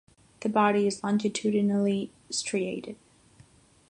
The body is longitudinally striated.